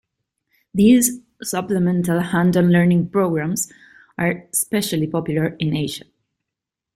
These supplemental hands-on learning programs are especially popular in Asia.